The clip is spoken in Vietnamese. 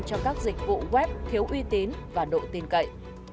cho các dịch vụ web thiếu uy tín và độ tin cậy